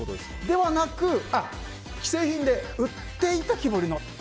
ではなく、売っていた木彫りの。